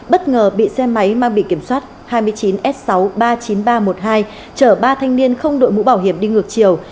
bất ngờ bị xe máy mang bị kiểm soát hai mươi chín s sáu trăm ba mươi chín nghìn ba trăm một mươi hai chở ba thanh niên không đội mũ bảo hiểm đi ngược chiều